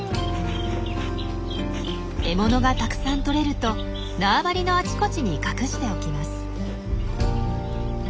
獲物がたくさんとれると縄張りのあちこちに隠しておきます。